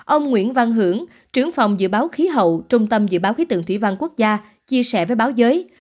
ông nguyễn văn hưởng trưởng phòng dự báo khí hậu trung tâm dự báo khí tượng thủy văn quốc gia chia sẻ với báo giới